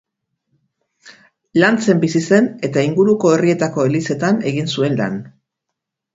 Lantzen bizi zen eta inguruko herrietako elizetan egin zuen lan.